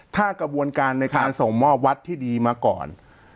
ถ้ากระบวนการในการส่งมอบวัดที่ดีมาก่อน